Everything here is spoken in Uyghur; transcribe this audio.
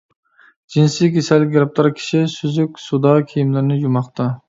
جىنسىي كېسەلگە گىرىپتار كىشى سۈزۈك سۇدا كىيىملىرىنى يۇماقتا.